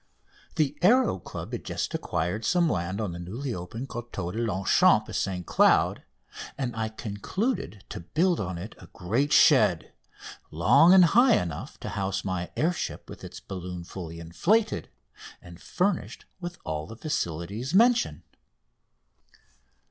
The Aéro Club had just acquired some land on the newly opened Côteaux de Longchamps at St Cloud, and I concluded to build on it a great shed, long and high enough to house my air ship with its balloon fully inflated, and furnished with all the facilities mentioned.